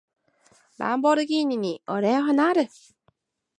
ランボルギーニに、俺はなる！